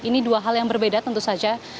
ini dua hal yang berbeda tentu saja